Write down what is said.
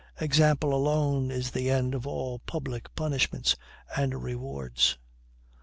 Example alone is the end of all public punishments and rewards.